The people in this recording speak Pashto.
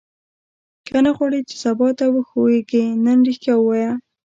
که نه غواړې چې سبا ته وښوېږې نن ریښتیا ووایه.